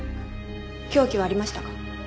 凶器はありましたか？